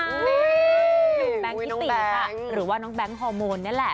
หนุ่มแบงค์ทิติค่ะหรือว่าน้องแบงค์ฮอร์โมนนี่แหละ